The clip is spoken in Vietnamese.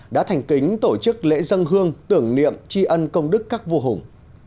đã thành kính tổ chức lễ dân hương tưởng niệm tri ân công đức các vua hùng